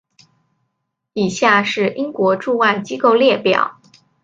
以下是英国驻外机构列表。